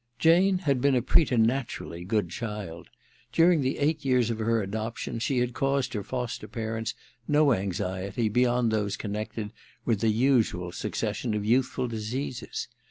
Jane had been a preternaturally good child. During the eight years of her adoption she had caused her foster parents no anxiety beyond those connected with the usual succession of youthful diseases.